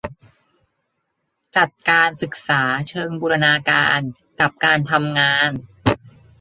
จัดการศึกษาเชิงบูรณาการกับการทำงาน